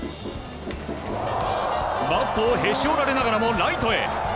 バットをへし折られながらもライトへ。